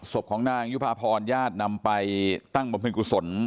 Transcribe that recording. ศพของนางยุภาพรญาตินำไปตั้งบำเพ็ญกุศล